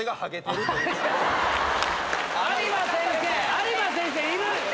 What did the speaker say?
有馬先生いる？